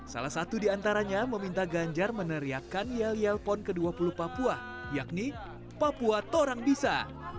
salah satu di antaranya meminta ganjar meneriakan yel yel pon ke dua puluh papua yakni papua torangbisa